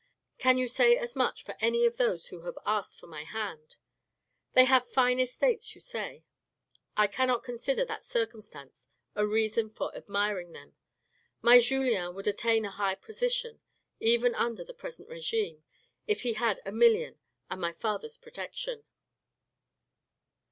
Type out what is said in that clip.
Can you say as much for any of those who have asked for my hand ? They have fine estates, you say. I cannot consider that circumstance a reason for admiring them. My Julien would attain a high position, even under the present regime, if he had a million and my father's protection.